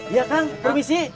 iya kang permisi